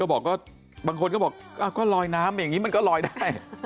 บางคนก็บอกก็ลอยน้ำอย่างนี้มันก็ลอยได้